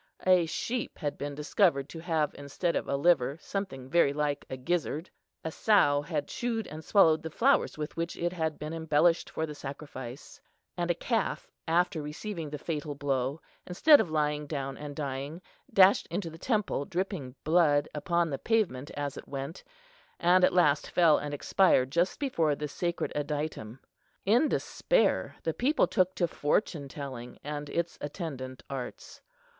A sheep had been discovered to have, instead of a liver, something very like a gizzard; a sow had chewed and swallowed the flowers with which it had been embellished for the sacrifice; and a calf, after receiving the fatal blow, instead of lying down and dying, dashed into the temple, dripping blood upon the pavement as it went, and at last fell and expired just before the sacred adytum. In despair the people took to fortune telling and its attendant arts.